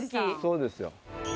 そうですよ。